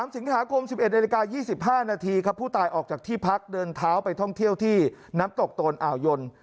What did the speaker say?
สิงหาคม๑๑นาฬิกา๒๕นาทีครับผู้ตายออกจากที่พักเดินเท้าไปท่องเที่ยวที่น้ำตกโตนอ่าวยน